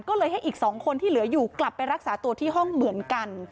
ก็เลยให้อีก๒คนที่เหลืออยู่กลับไปรักษาตัวที่ห้องเหมือนกัน